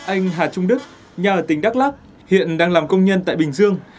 anh hà trung đức nhà ở tỉnh đắk lắc hiện đang làm công nhân tại bình dương